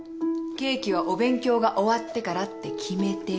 ケーキはお勉強が終わってからって決めてるの。